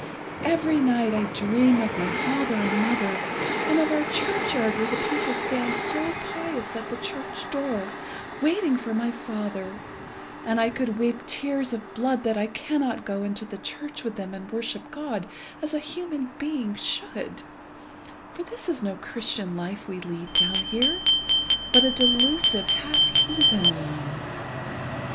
Every night I dream of my father and mother, and of our churchyard where the people stand so pious at the church door waiting for my father, and I could weep tears of blood that I cannot go into the church with them and worship God as a human being should, for this is no Christian life we lead down here, but a delusive half heathen one.